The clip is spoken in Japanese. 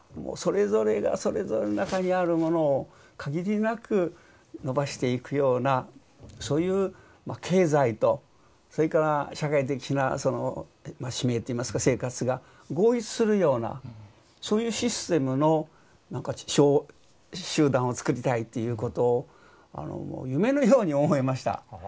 それぞれがそれぞれの中にあるものを限りなく伸ばしていくようなそういう経済とそれから社会的なその使命といいますか生活が合一するようなそういうシステムの集団をつくりたいということを夢のように思いました。